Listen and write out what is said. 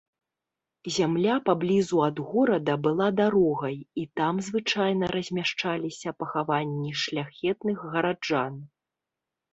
Зямля паблізу ад горада была дарогай, і там звычайна размяшчаліся пахаванні шляхетных гараджан.